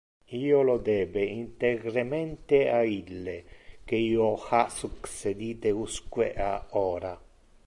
Io lo debe integremente a ille que io ha succedite usque a ora.